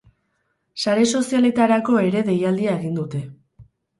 Sare sozialetarako ere deialdia egin dute.